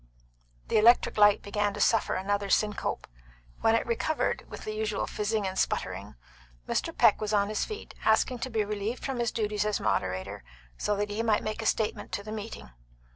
The electric light began to suffer another syncope. When it recovered, with the usual fizzing and sputtering, Mr. Peck was on his feet, asking to be relieved from his duties as moderator, so that he might make a statement to the meeting.